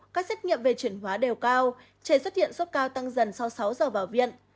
các xét nghiệm về chuyển hóa đều cao trẻ xuất hiện sốt cao tăng dần sau sáu giờ vào viện